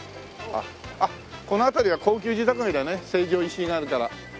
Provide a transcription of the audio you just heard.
あっこの辺りは高級住宅街だね成城石井があるから。